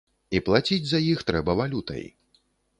І плаціць за іх трэба валютай.